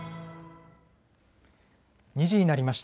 ２時になりました。